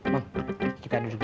bang kita duduk